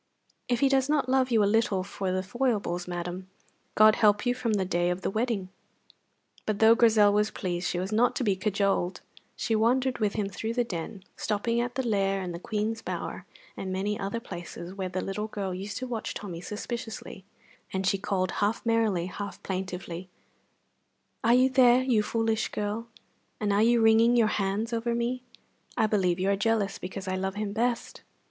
If he does not love you a little for the foibles, madam, God help you from the day of the wedding. But though Grizel was pleased, she was not to be cajoled. She wandered with him through the Den, stopping at the Lair, and the Queen's Bower, and many other places where the little girl used to watch Tommy suspiciously; and she called, half merrily, half plaintively: "Are you there, you foolish girl, and are you wringing your hands over me? I believe you are jealous because I love him best."